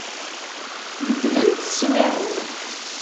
Beddlent teswiɛin.